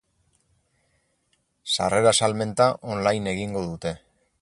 Sarrera salmenta on-line egingo dute.